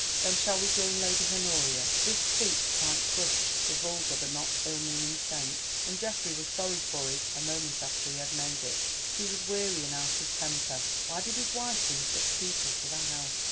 Then shall we join Lady Honoria?" This speech quite crushed the vulgar but not ill meaning Saint, and Geoffrey was sorry for it a moment after he had made it. But he was weary and out of temper. Why did his wife bring such people to the house?